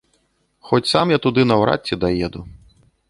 Хоць сам я туды наўрад ці даеду.